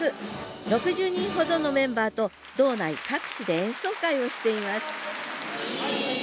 ６０人ほどのメンバーと道内各地で演奏会をしています